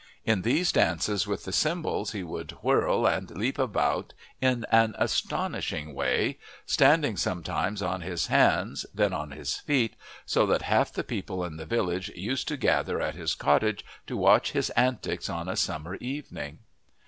In these dances with the cymbals he would whirl and leap about in an astonishing way, standing sometimes on his hands, then on his feet, so that half the people in the village used to gather at his cottage to watch his antics on a summer evening.